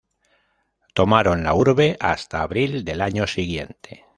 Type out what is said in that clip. Tomaron la urbe hasta abril del año siguiente.